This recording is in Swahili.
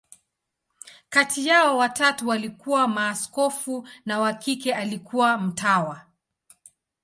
Kati yao, watatu walikuwa maaskofu, na wa kike alikuwa mtawa.